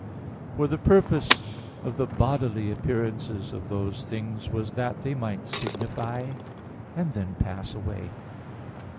For the purpose of the bodily appearances of those things was that they might signify, and then pass away."